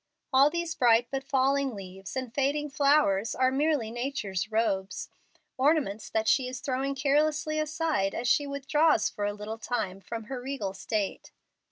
All these bright but falling leaves and fading flowers are merely Nature's robes, ornaments that she is throwing carelessly aside as she withdraws for a little time from her regal state.